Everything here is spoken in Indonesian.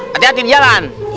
hati hati di jalan